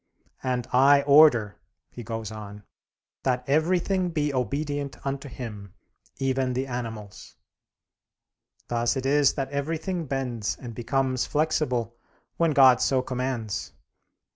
"And I order," he goes on, "that everything be obedient unto him, even the animals;" thus it is that everything bends and becomes flexible when God so commands!